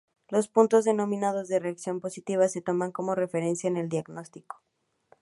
Los puntos denominados de reacción positiva se toman como referencia en el diagnóstico.